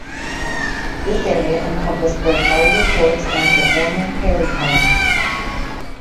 This area encompassed both Hollywood Courts and the former Perry Homes.